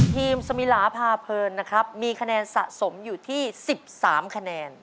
สมิลาพาเพลินนะครับมีคะแนนสะสมอยู่ที่๑๓คะแนน